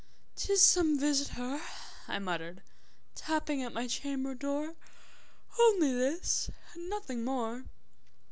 `'Tis some visitor,' I muttered, `tapping at my chamber door Only this, and nothing more.'